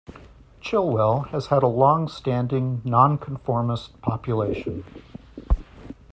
Chilwell has had a long-standing non-conformist population.